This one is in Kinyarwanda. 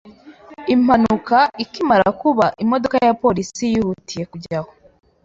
Impanuka ikimara kuba, imodoka ya polisi yihutiye kujya aho.